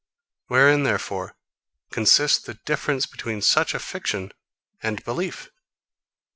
Wherein, therefore, consists the difference between such a fiction and belief?